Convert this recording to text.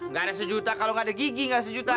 gak ada sejuta kalo gak ada gigi gak sejuta